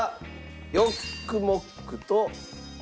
ヨックモックと。